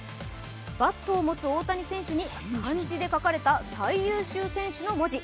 バットを持つ大谷選手に漢字で書かれた「最優秀選手」の文字。